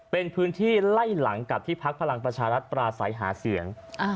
เป็นพื้นที่ไล่หลังกับที่พักพลังประชารัฐปราศัยหาเสียง